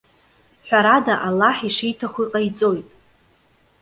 Ҳәарада, Аллаҳ ишиҭаху иҟаиҵоит.